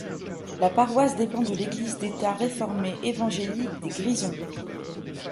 La paroisse dépend de l'Église d'État réformée évangélique des Grisons.